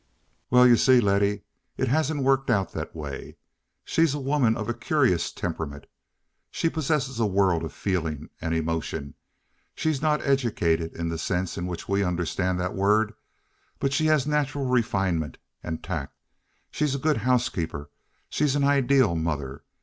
"Well, you see, Letty, it hasn't worked out that way. She's a woman of a curious temperament. She possesses a world of feeling and emotion. She's not educated in the sense in which we understand that word, but she has natural refinement and tact. She's a good housekeeper. She's an ideal mother.